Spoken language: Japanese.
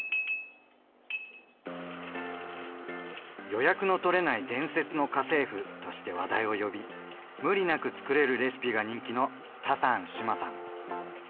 「予約のとれない伝説の家政婦」として話題を呼び無理なくつくれるレシピが人気のタサン志麻さん。